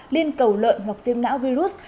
liên cầu lợn hoặc tiêm não virus